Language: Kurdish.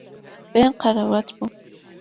Bê qerewat bû.